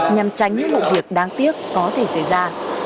nhằm tránh những vụ việc đáng tiếc có thể xảy ra